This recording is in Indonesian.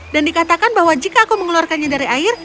dan dikatakan bahwa jika aku mengeluarkannya dari air